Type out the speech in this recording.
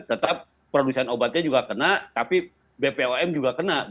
tetap produsen obatnya juga kena tapi bpom juga kena